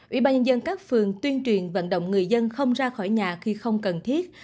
ủy ban nhân các phường tuyên truyền vận động người dân không ra khỏi nhà khi không cần thiết